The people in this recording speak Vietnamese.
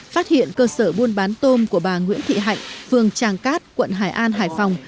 phát hiện cơ sở buôn bán tôm của bà nguyễn thị hạnh phường tràng cát quận hải an hải phòng